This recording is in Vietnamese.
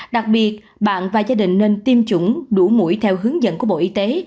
đặc biệt bạn và gia đình nên tiêm chủng đủ mũi theo hướng dẫn của bộ y tế